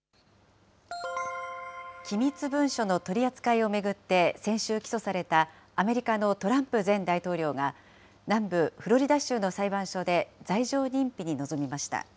機密文書の取り扱いを巡って、先週起訴されたアメリカのトランプ前大統領が、南部フロリダ州の裁判所で罪状認否に臨みました。